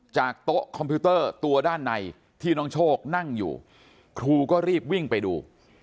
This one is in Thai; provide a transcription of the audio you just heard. โต๊ะคอมพิวเตอร์ตัวด้านในที่น้องโชคนั่งอยู่ครูก็รีบวิ่งไปดู